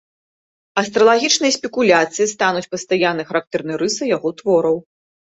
Астралагічныя спекуляцыі стануць пастаяннай характэрнай рысай яго твораў.